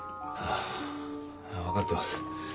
ああ分かってます。